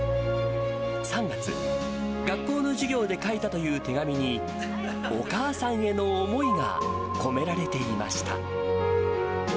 ３月、学校の授業で書いたという手紙に、お母さんへの思いが込められていました。